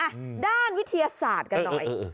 ด้านวิทยาศาสตร์กันหน่อย